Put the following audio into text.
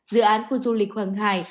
dự án khu du lịch hoàng hải